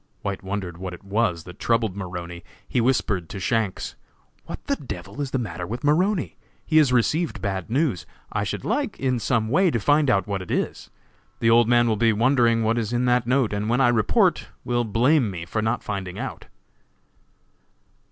White wondered what it was that troubled Maroney. He whispered to Shanks: "What the d l is the matter with Maroney? He has received bad news. I should like, in some way, to find out what it is. The old man will be wondering what is in that note, and when I report, will blame me for not finding out."